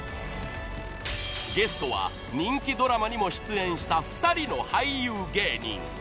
［ゲストは人気ドラマにも出演した２人の俳優芸人］